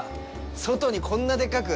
外にこんなでっかく？